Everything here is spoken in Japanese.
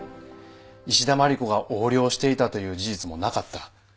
石田真理子が横領していたという事実もなかった。